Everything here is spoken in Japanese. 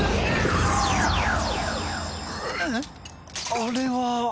あれは？